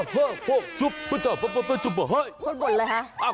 พูดบ่นแหละ